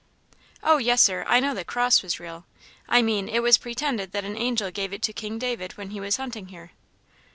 "Oh yes, Sir; I know the cross was real; I mean, it was pretended that an angel gave it to King David when he was hunting here."